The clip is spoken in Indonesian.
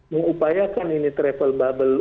mengupayakan travel bubble